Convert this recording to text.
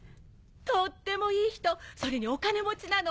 とってもいい人それにお金持ちなの。